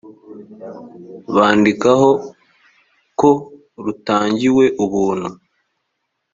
bandikaho ko rutangiwe ubuntu